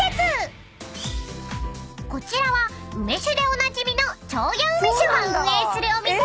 ［こちらは梅酒でおなじみのチョーヤ梅酒が運営するお店］